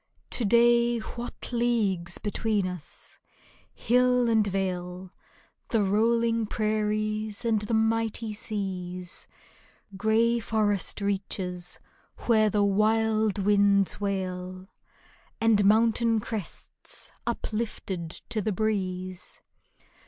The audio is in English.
To day what leagues between us ! Hill and vale, The rolling prairies and the mighty seas ; Gray forest reaches where the wild winds wail. And mountain crests uplifted to the breeze